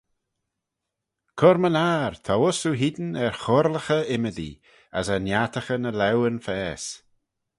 Cur-my-ner, t'ou uss oo-hene er choyrlaghey ymmodee, as er niartaghey ny laueyn faase.